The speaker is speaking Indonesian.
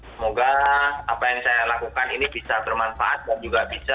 semoga apa yang saya lakukan ini bisa bermanfaat dan juga bisa